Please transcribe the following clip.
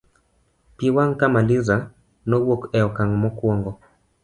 pi wang' Kamaliza nowuok e okang' mokuongo